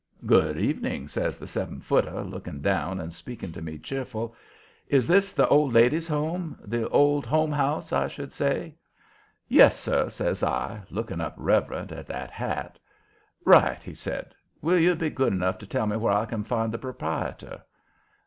"Good evening," says the seven footer, looking down and speaking to me cheerful. "Is this the Old Ladies' Home the Old Home House, I should say?" "Yes, sir," says I, looking up reverent at that hat. "Right," he says. "Will you be good enough to tell me where I can find the proprietor?"